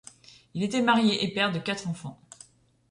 Il était marié et père de quatre enfants.